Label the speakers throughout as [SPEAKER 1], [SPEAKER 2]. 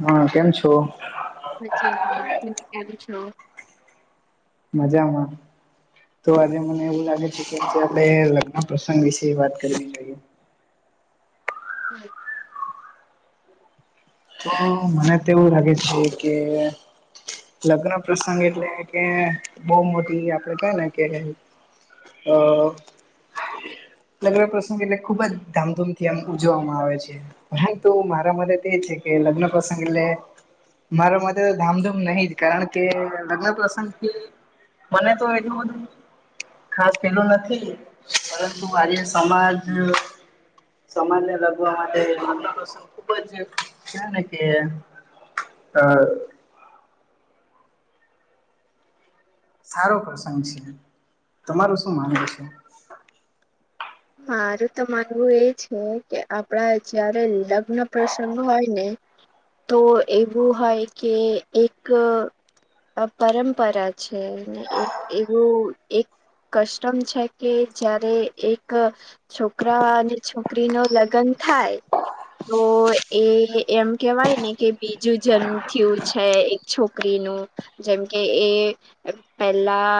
[SPEAKER 1] હા કેમ છો?
[SPEAKER 2] અચ્છા હા તમે કેમ છો?
[SPEAKER 1] મજામાં તો આજે મને એવું લાગે છે કે આપણે લગ્ન પ્રસંગ વિશે વાત કરવી જોઈએ.
[SPEAKER 2] હા
[SPEAKER 1] તો મને તો એવું લાગે છે કે લગ્ન પ્રસંગ એટલે કે બહુ મોટી આપડે કય ને કે હ લગન પ્રસંગ એટલે ખુબ જ ધામધૂમ થી આમ ઉજવામાં આવે છે. પરંતુ મારા મદદ એ છે કે લગ્ન પ્રસંગ એટલે મારા માટે તો ધામધૂમ નહી જ કારણ કે લગ્ન પ્રસંગ એ મને તો એટલુ બધું ખાસ પેલું નથી પરંતુ આજે સમાજ સમાજને લગવા માટે ખુબ જ છે ને કે અ સારો પ્રસંગ છે, તમાર શું માનવું છે?
[SPEAKER 2] મારું તો માનવું એ છે કે આપડા જયારે લગ્ન પ્રસંગ હોય ને તો એવું હોય કે એક પરંપરા છે, એક એવું એક કસ્ટમ છે, કે જ્યારે એ ક છોકરા અને છોકરી નો લગન થાય તો એ એમ કેવાય ને કે બીજું જન્મ થયું છે. એ છોકરીનું જેમકે એ પેલા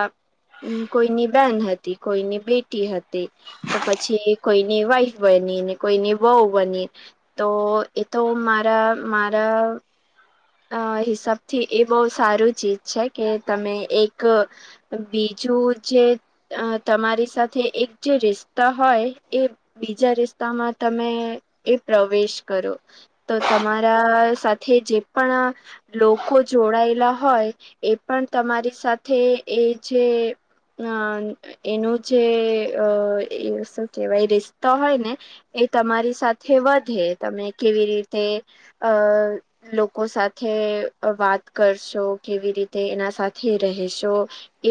[SPEAKER 2] હમ કોઈની બેન હતી કોઈની બેટી હતી તો પછી કોઈની વાઈફ બની ને કોઈની વઉ બની તો એ તો મારા મારા અ હિસાબથી એ બહુ સારું ચીજ છે કે તમે એક બીજું જે તમારી સાથે એક જે રિસતા હોય એ બીજા રિસ્તામાં તમે એ પ્રવેશ કરો તો તમારા સાથે જે પણ લોકો જોડાયેલા હોય એ પણ તમારી સાથે એ જે અ એનું જે અ એ શું કેહેવાય રિસ્તા હોય ને એ તમારી સાથે વધે તમે કેવી રીતે અ લો કો સાથે વાત કરશો કેવી રીતે એના સાથે રહેશો.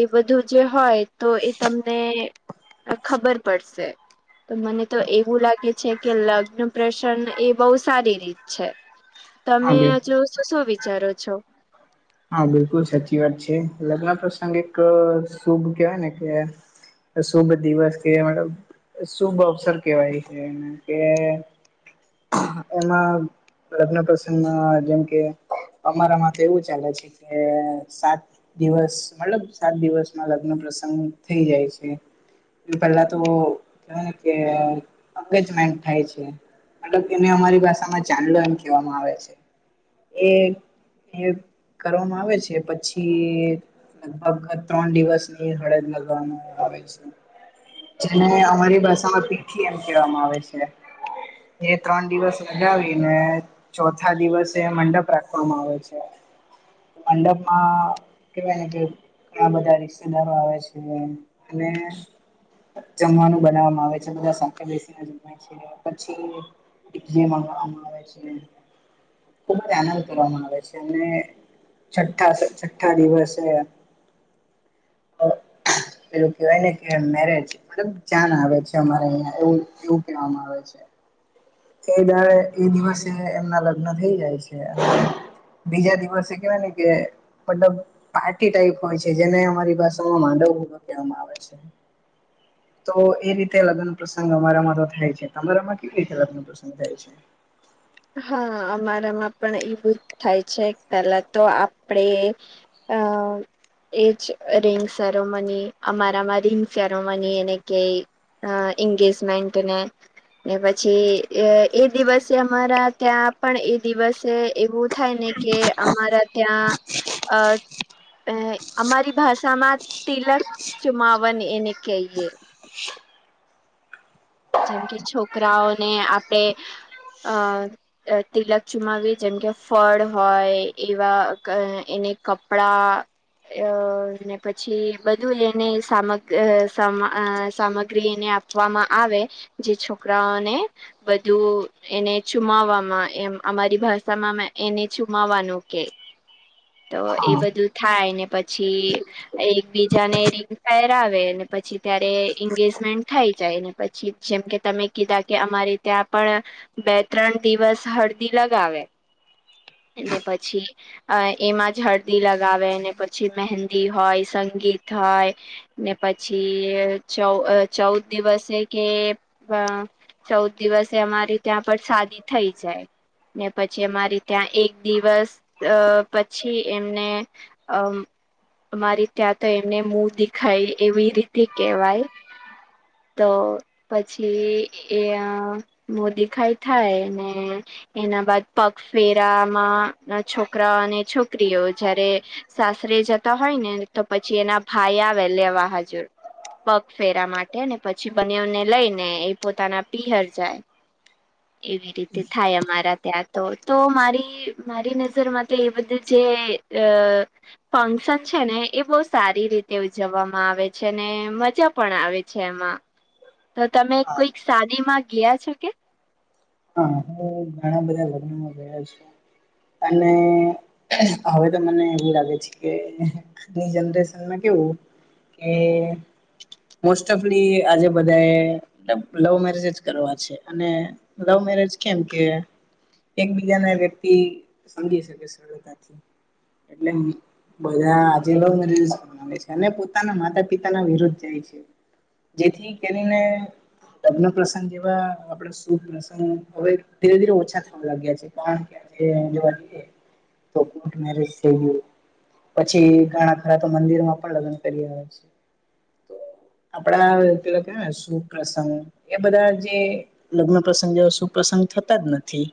[SPEAKER 2] એ બધું જે હોય તો એ તમને ખબર પડશે. તો મને તો એવું લાગે છે કે લગ્ન પ્રસંગ એ બહુ સારી રીત છે.
[SPEAKER 1] હા
[SPEAKER 2] તમે
[SPEAKER 1] બિલ
[SPEAKER 2] હજુ શું શું વિચારો છો?
[SPEAKER 1] હા બિલકુલ સાચી વાત છે લગ્ન પ્રસંગ એક શુભ કેહેવાય ને કે શુભ દિવસ કે મતલબ શુભ અવસર કેવાય છે, એ કે એમા લગ્ન પ્રસંગ જેમ કે અમારા માટેથે એવુ ચાલે છે, કે સાત દિવસ મતલબ સાત દિવસમાં લગ્ન પ્રસંગ થઈ જાય છે. એ પેલા તો કેવાય કે અજમેન્ટ થાય છે. મતલ એને અમારી ભાષામાં ચલો એમ કહેવામાં આવે છે, એ કરવામાં આવે છે, પછી લગભગ ત્રણ દિવસની હળદ લગવાવામાં આવે છે. જેને અમારી ભાષામાં પીઠી એમ કહેવામાં આવે છે. એ ત્રણ દિવસ ઉગાવી ને ચોથા દિવસે એ મંડપ રાખવામાં આવે છે. મંડપમાં કેવાય કે આ બધા રિક્ષદારો આવે છે, અને જમવાનું બનાવામાં આવે છે, બધા શખ બેસીને જવા પછી જે આવે છે. ખુબ જ આનંદ કરવામાં આવે છે, અને છઠ્ઠા છઠ્ઠા દિવસ હ પેલું કેવાય ને કે મેરેજ મલબ જાન આવે છે, અમારે અહિયાં એવું એવું કેવામાં આવે છે. એ દ એ દિવસે એમના લગ્ન થઈ જાય છે, અને બીજા દિવસ શીખને ન મતલબ પાર્ટી ટાઈપ હોય છે, જેને અમારી ભાષામાં માંડવ કહેવામાં આવે છે. તો એ રીતે લગ્ન પ્રસંગ અમારામાં તો થાય છે, તમારામાં કેવી રીતે લગ્ન પ્ર પસંદ થાય છે.
[SPEAKER 2] હા અમારામાં પણ એવું જ થાય છે, પેલા તો આપડે અ એજ રિંગ સેરોમની અમારામાં રિંગ સેરોમની એને કય અ એંગેજમેન્ટને ને પછી એ દિવસે અમારા ત્યાં પણ એ દિવસે એવું થાય ને કે અમારા ત્યા [unintelligible] અ અમારી ભાષામાં તિલક ચુમાવન એને કહીએ જેમ કે છોકરાઓને આપડે અ તિલક ચુમાવી જેમ કે ફળ હોય એવા એને કપડા અ ને પછી બધું એને સામગ સા સા ટ્રિમને આપવામાં આવે જે છોકરાઓને બધું એને ચુમાવવામાં એમ અમારી ભાષામા એને ચુમાવવાનુ કે તો એ
[SPEAKER 1] હા.
[SPEAKER 2] બધું થાય ને પછી એકબીજાને રિંગ ફાયર આવે પછી, ત્યારે એંગેજમેન્ટ થઈ જાય ને પછી જેમ કે તમે કીધા કે અમારી ત્યા પણ બે ત્રણ દિવસ હળદી લગાવે અને પછી અ એમાં જ હળદી લગાવે અને પછી મહેંદી હોય સંગીત હોય. ને પછી ચૌ ચૌદ દિવસે કે ચૌદ દિવસે અમારી ત્યાં પણ શાદી થઈ જાય. ને પછી અમારી ત્યાં એક દિવસ અ પછી એમને અમ અમારી ત્યા તો એમને મ દેખાય એવી રીતે કેહેવાય તો પછી એ મોદી ખાઈ થાય ને એના બાદ પગફેરામાં છોકરા અને છોકરીઓ જયારે. સાસરે જતા હોય ને તો પછી એના ભાઈ આવે લેવા હાજુર પગફેરા માટે અને પછી બનેને લઈ ને એ પોતાના પીહર જાય. એવી રીતે થાય અમારા ત્યાં. તો તો મારી મારી નજરમાં એ બધી જે અ. ફંક્શન છે ને એ બહુ સારી રીતે ઉજવવામાં આવે છે ને મજા પણ આવે છે એમાં. તો તમે
[SPEAKER 1] હા
[SPEAKER 2] કોઈક શાદી માં ગયા છો કે.
[SPEAKER 1] હ હું ઘણા બધા લગ્નનો ગયા છું. અને હવે તો મને એમું લાગે છે કે. આજની જનરેશનમાં કેવું કે. મોસ્ટ ઓફલી આજે બધા એ લવ મેરેજ જ કરવા છે અને. લવ મેરેજ કેમ કે એકબીજા ના વ્યક્તિ સમજી શકે સરળતાથી એટલે. બધા આજે લવ મેરેજ અને પોતાના માતા પિતાના વિરુદ્ધ જાય છે. જેથી કરીને લગ્ન પ્રસંગ જેવા આપણે સુપ્રસંગ હવે ધીરે ધીરે ઓછા થવા લાગ્યા છે પણ કે જોવાઈએ. તો કોટ મેરેજ થઇએ. પછી ઘણા ખરા તો મંદિર માં પણ લગ્ન કરી આવે છે. તો આપડા પેલા કે સુપ્રસંગ એ બધા જે. લગ્ન પ્રસંગ જે શું પ્રસંગ થતા જ નથી.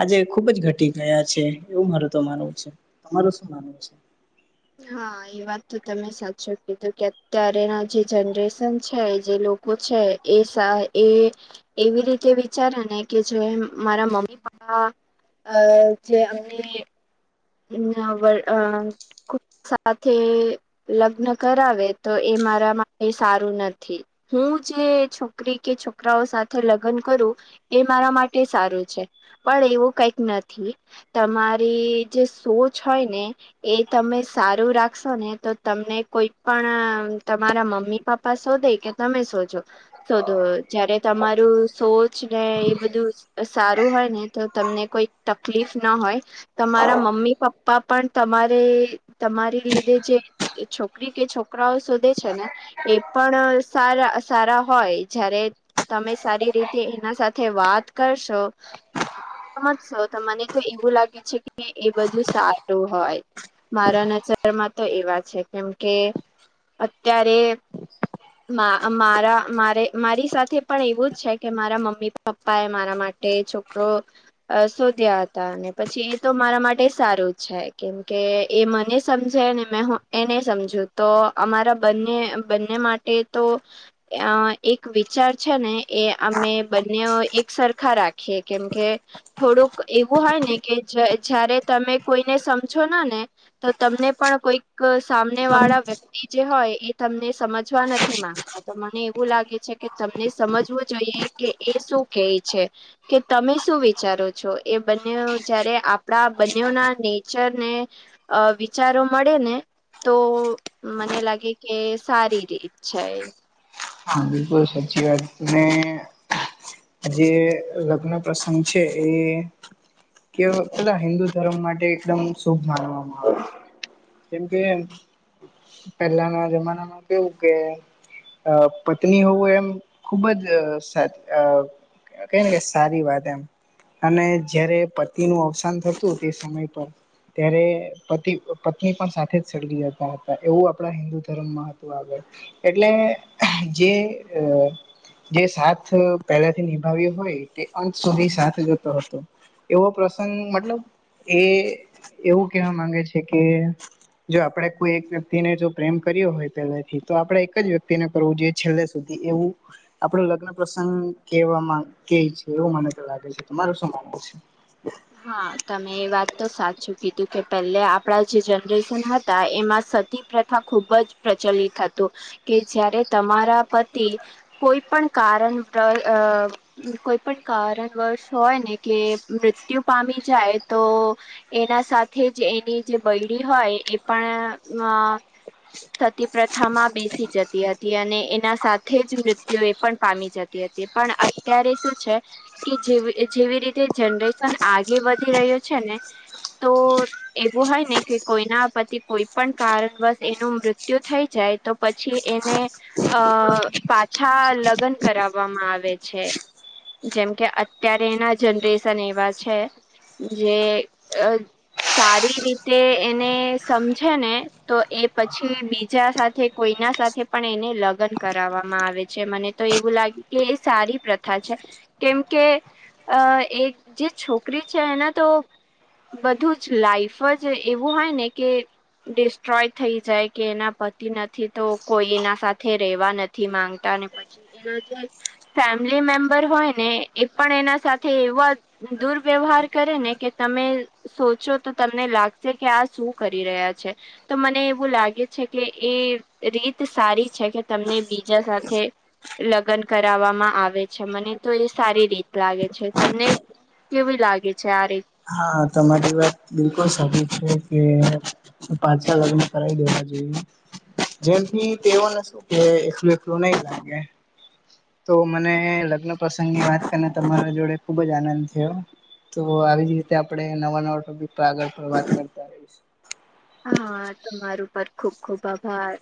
[SPEAKER 1] આજે ખુબ જ ઘટી ગયા છે એવું માર તો માનવું છે તમારું શું માનવું છે.
[SPEAKER 2] હા એ. એ વાત તો તમે સાચો કીધું કે અત્યારેના જે જનરેશન છે જે લોકો છે. એ સ એ એવી રીતે વિચારે ને કે જો મારા મમ્મી પપ્પા અ જે અમને. વ અ ખ સાથે [inaudible] લગ્ન કરાવે તો એ મારા માટે સારું નથી. હું જે છોકરી કે છોકરાઓ સાથે લગ્ન કરું એ મારા માટે સારું છે પણ એવું કઈક નથી તમારી જે સોચ હોય ને. એ તમે સારું રાખશો ને તો તમને કોઈ પણ તમારા મમ્મી પ પપ્પા શોધે કે તમે શોજો. શોધો જયારે તમારું સોચ ને એ બધું સારું હોય ને તો તમને કોઈ તકલીફ ના હોય તમારે તમારા મમ્મી પપ્પા પણ તમારે તમારી લીધે જે એ છોકરી કે છોકરાઓ શોધે છે ને એ પણ સારા સારા હોય જયારે તમે સારી રીતે એના સાથે વાત કરશો સમજશો તો મને તો એવું લાગે છે કે. કે એ બધું સારું હોય મારા નજરમાં તો એવા છે કેમ કે. અત્યારે મા મારા મારે મારી સાથે પણ એવું જ છે કે મારા મમ્મી પપ્પા એ મારા માટે ટે છોકરો. અ શોધ્યા હતા અને પછી એ તો મારા માટે સારું છે કેમ કે એ મને સમજે ને મેં હું એને સમજું તો અમારા બંને બંને માટે ટે તો. અ એક વિચાર છે ને એ અમે બંને એક સરખા રાખીએ કેમ કે થોડુંક એવું હોય ને કે જ જયારે તમે કોઈને સમજો ને ને. તો તમને પણ કોઈક સામને વાળા વ્યક્તિ જે હોય એ તમને સમજવા નથી. નથી માંગતા તો મને એવું લાગે છે કે તમને સમજવું જોઈએ કે એ શું કેય છે. કે તમે શું વિચારો છો એ બંનયો જયારે આપણા બંનયો નેચરને અ વિચારો મળે ને તો મને લાગે કે સારી રીત. છે.
[SPEAKER 1] હા બિલકુલ સાચી વાત અને જે લગ્ન પ્રસંગ છે એ કેવ બધા હિન્દુ ધર્મ માટે એકદમ શુભ માનવામાં આવે. કેમ કે પહેલાના જમાનામાં કેવું કે અ પત્ની હોવું એમ ખુબ સાચ અ અ કહી ને કે સારી વાત એમ. અને જયારે પતિનું અવસાન થતું તે સમય પર ત્યારે પતિ અ પત્ની પણ સાથે જ સળગી જતા હતા એવું આપણા હિન્દુ ધર્મમાં હ તુ આગળ એટલે જે અ જે સાથ પહેલાથી નિભાવ્યો હોય તે અંત સુધી સાથ જોતો હતો. એવો પ્રસંગ મતલબ એ એવું કહેવા માંગે છે કે જો આપડે કોઈ એક વ્યક્તિને જો પ્રેમ કર્યો હોય પેલેથી તો આપડે એક જ વ્યક્તિને કરવું જોઈએ છેલ્લે સુધી એવું આપડો લગ્ન પ્રસંગ કેવા માં કે છે એવું મને તો લાગે છે તમારૂ શું માનવું છે.
[SPEAKER 2] હા તમે એ વાત તો સાચું કીધું કે પહેલે આપણા જે જનરેશન હતા એમાં સતી પ્રથા ખૂબ જ પ્રચલિત હતું કે જ્યારે તમારા પતિ કોઈ પણ કારન તલ અ કોઈ પણ કારણવર્શ હોય ને કે મૃત્યુ પામી જાય તો એના સાથે જ એની જે બૈડી હોય એ પણ અ સતી પ્રથામાં બેસી જતી હતી અને એના સાથે જ મૃત્યુ એ પણ પામી જતી હતી. પણ અત્યારે શું છે કે જેવ એ જેવી રીતે જનરે શન આગે વધી રહ્યો છે ને તો એવું હોય ને કે કોઈના પતિ કોઈ પણ કારણવસ એનું મૃત્યુ થઈ જાય તો પછી એને અ પાછા લગન કરાવવામાં આવે છે. જેમ કે અત્યારેના જનરેશન એવા છે જે અ સારી રીતે એને સમજે ને તો એ પછી બીજા સાથે કોઈના સાથે પણ એને લગન કરાવવામાં આવે છે મને તો એવું લાગ્યું કે એ સારી પ્રથા છે કેમ કે અ એ જે છોકરી છે એને તો બધું જ લાઈફ જ એવું હોય ને કે ડિસ્ટ્રોય થઈ જાય કે એના પતિ નથી તો કોઈ એના સાથે રેવા નથી માંગ તા ને પછી એના જે ફેમિલી મેમ્બર હોય ને એ પણ એના સાથે એવા દુર વ્યવહાર કરે ને કે તમે સોચો તો તમને લાગશે કે આ શું કરી રહ્યા છે. તો મને એવું લાગે છે કે એ રીત સારી છે કે તમને બીજા સાથે લગ્ન કરાવવામાં આવે છે મને તો એ સારી રીત લાગે છે તમને કેવી લાગે છે આ રીત.
[SPEAKER 1] હા તમારી વાત બિલકુલ સારી છે કે પાછા લગન કરાવી દેવા જોઈએ. જેમથી તેવો ને શું કે એકલું એકલું નહી લાગે. તો મને લગ્ન પ્રસંગ ની વાત કરીને તમારા જોડે ખુબ જ આનંદ થ્યો. તો આવી જ રીતે આપણે નવા નવા ટોપિક પર આગળ પર વાત કરતા રહીશું.
[SPEAKER 2] હા તમારું પર ખુબ ખુબ આભાર.